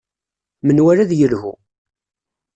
Menwala ad yelhu.